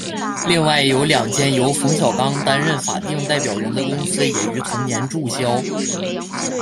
另外有两间由冯小刚担任法定代表人的公司也于同年注销。